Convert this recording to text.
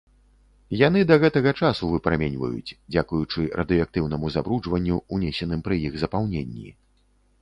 Яны да гэтага часу выпраменьваюць, дзякуючы радыеактыўнаму забруджванню, унесеным пры іх запаўненні.